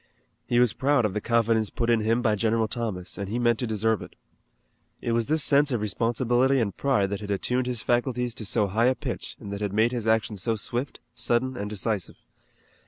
He was proud of the confidence put in him by General Thomas, and he meant to deserve it. It was this sense of responsibility and pride that had attuned his faculties to so high a pitch and that had made his action so swift, sudden and decisive.